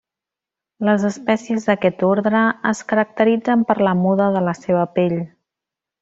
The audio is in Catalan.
Les espècies d'aquest ordre es caracteritzen per la muda de la seva pell.